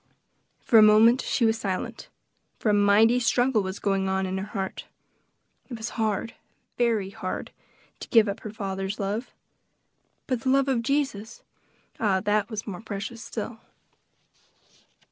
For a moment she was silent, for a mighty struggle was going on in her heart. It was hard, very hard, to give up her father's love. But the love of Jesus! ah, that was more precious still!